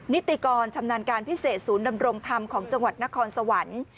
นิติกรชำนาญการพิเศษศูนย์ดำรงธรรมของจังหวัดนครสวรรค์